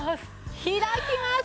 開きます！